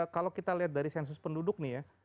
kalau kita lihat dari sensus penduduk nih ya